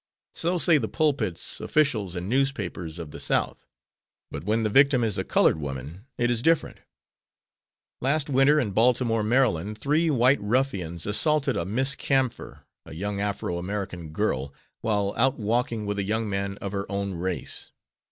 So say the pulpits, officials and newspapers of the South. But when the victim is a colored woman it is different. Last winter in Baltimore, Md., three white ruffians assaulted a Miss Camphor, a young Afro American girl, while out walking with a young man of her own race.